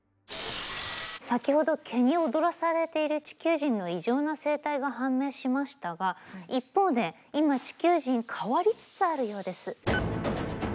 先ほど毛に踊らされている地球人の異常な生態が判明しましたが一方で今地球人変わりつつあるようです。